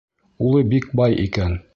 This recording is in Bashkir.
Улы бик бай икән.